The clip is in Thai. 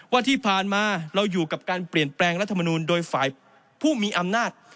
ว่าที่ผ่านมาเราอยู่กับการเปลี่ยนแปลงรัฐมนูลโดยฝ่ายผู้มีอำนาจ